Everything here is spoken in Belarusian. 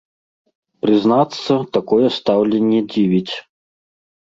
Прызнацца, такое стаўленне дзівіць.